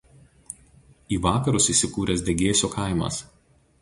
Į vakarus įsikūręs Degėsių kaimas.